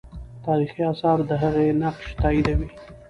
تاریخي آثار د هغې نقش تاییدوي.